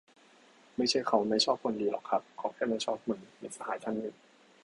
"ไม่ใช่เค้าไม่ชอบคนดีหรอกครับ เค้าแค่ไม่ชอบมึง" - มิตรสหายท่านหนึ่ง"